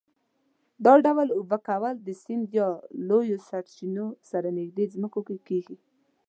دا ډول اوبه کول د سیند یا لویو سرچینو سره نږدې ځمکو کې کېږي.